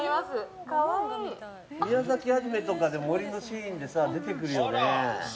宮崎アニメの森のシーンで出てくるよね。